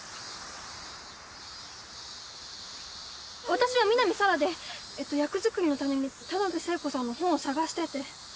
私は南沙良で役作りのために田辺聖子さんの本を探してて。